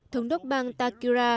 thống đốc bang takira